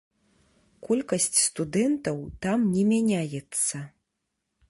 Колькасць студэнтаў там не мяняецца.